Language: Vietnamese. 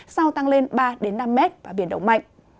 sau tăng lên ba đến năm mét và biển động mạnh